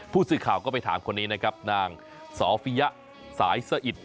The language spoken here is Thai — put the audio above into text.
ผู้สื่อข่าวก็ไปถามคนนี้นางโซฟียะสายสะอิด